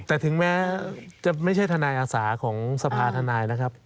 แต่ถึงแม้จะไม่ใช่ทนายอาสาของสภาธนายนะครับ